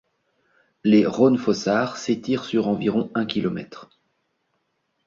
Les Hraunfossar s'étirent sur environ un kilomètre.